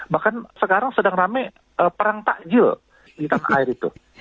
bahkan sekarang sedang rame perang takjil di tanah air itu